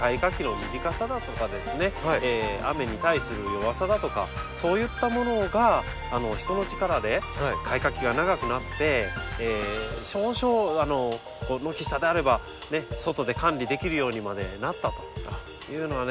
雨に対する弱さだとかそういったものが人の力で開花期が長くなって少々軒下であれば外で管理できるようにまでなったというのはね